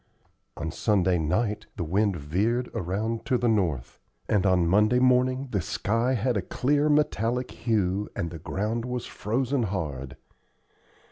On Sunday night the wind veered around to the north, and on Monday morning the sky had a clear metallic hue and the ground was frozen hard.